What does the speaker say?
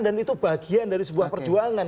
dan itu bagian dari sebuah perjuangan